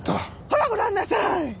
ほらご覧なさい！